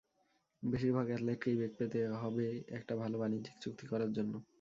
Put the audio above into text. বেশির ভাগ অ্যাথলেটকেই বেগ পেতে হবে একটা ভালো বাণিজ্যিক চুক্তি করার জন্য।